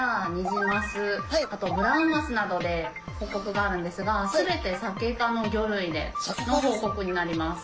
あとブラウンマスなどで報告があるんですが全てサケ科の魚類での報告になります。